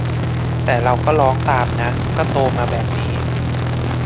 แต่เราก็ร้องตามนะ ก็โตมาแบบนี้